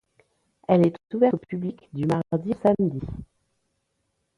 Elle est ouverte au public du mardi au samedi.